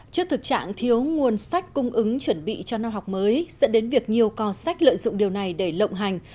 trước thực trạng thiếu nguồn sách cung ứng chuẩn bị cho năm học mới dẫn đến việc nhiều cò sách lợi dụng điều này để lộng hành